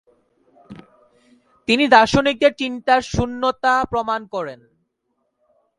তিনি দার্শনিকদের চিন্তার শূন্যতা প্রমাণ করেন।